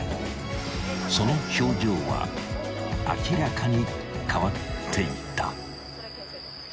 ［その表情は明らかに変わっていた］